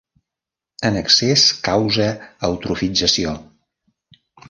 En excés causa eutrofització.